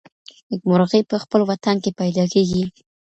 نېکمرغي په خپل وطن کي پیدا کیږي.